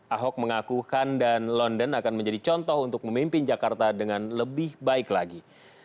ahok mengaku khan dan london akan menjadi contoh untuk memimpin jakarta dengan lebih baik lagi